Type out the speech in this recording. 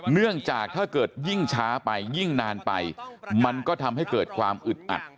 เนื่องจากถ้าเกิดยิ่งช้าไปยิ่งนานไปมันก็ทำให้เกิดความอึดอัด